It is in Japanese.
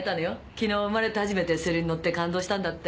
昨日生まれて初めてＳＬに乗って感動したんだって。